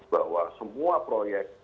bahwa semua proyek